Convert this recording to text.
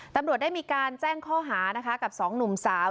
ตำรวจได้มีการแจ้งข้อหานะคะกับสองหนุ่มสาว